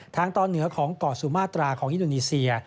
ทางตอนเหนือของเกาะสุมาตราของอินโดนีเซีย